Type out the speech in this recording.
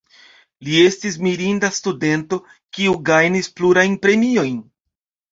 Li estis mirinda studento, kiu gajnis plurajn premiojn.